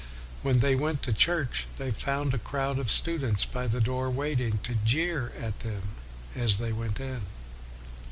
When they went to church, they found a crowd of students by the door waiting to jeer at them as they went in.